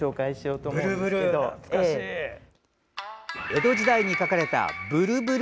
江戸時代に描かれた、震々。